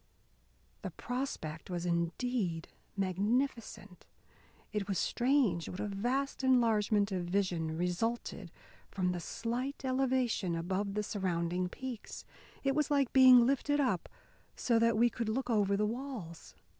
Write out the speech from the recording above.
The prospect was indeed magnificent; it was strange what a vast enlargement of vision resulted from the slight elevation above the surrounding peaks. It was like being lifted up so that we could look over the walls.